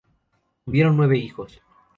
Tuvieron nueve hijos.